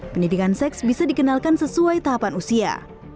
pendidikan seks bisa dikenalkan sesuai tahapan usia